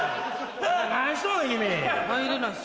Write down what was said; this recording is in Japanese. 何しとん君。